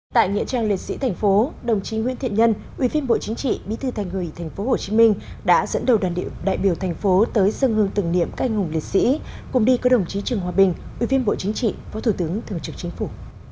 tại nghĩa trang liệt sĩ thành phố đồng chí nguyễn thiện nhân ủy viên bộ chính trị bí thư thành ủy tp hcm đã dẫn đầu đoàn đại biểu thành phố tới dân hương tưởng niệm các anh hùng liệt sĩ cùng đi có đồng chí trường hòa bình ủy viên bộ chính trị phó thủ tướng thường trực chính phủ